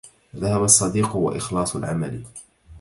ذهب الصدق وإخلاص العمل